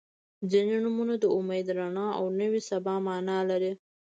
• ځینې نومونه د امید، رڼا او نوې سبا معنا لري.